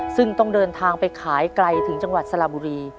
ซึ่งต้องเดินทางไปขายไกลถึงจังหวัดสระบุรี